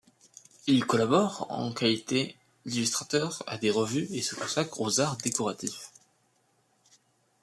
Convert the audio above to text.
Il collabore, en qualité d'illustrateur, à des revues et se consacre aux arts décoratifs.